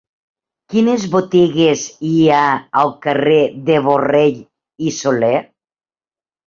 Quines botigues hi ha al carrer de Borrell i Soler?